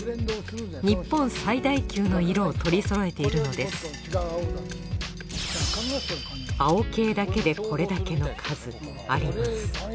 日本最大級の色を取りそろえているのです青系だけでこれだけの数あります